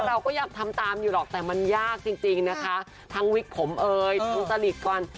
เราก็อยากทำตามอยู่หรอกแต่มันยากจริงทั้งวิกผมเอ่ยซาลิกกว่าน